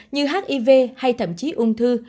như hiv hay thậm chí ung thư